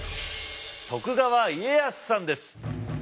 徳川家康さんです。